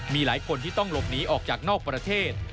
มีหลายคนที่ต้องหลบหนีออกจากนอกประเทศ